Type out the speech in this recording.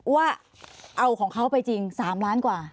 ว่าเอาของเขาไปจริง๓ล้านกว่า